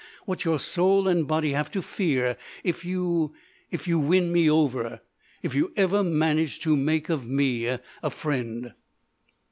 —What your soul and body have to fear if you—if you win me over—if you ever manage to make of me a friend!"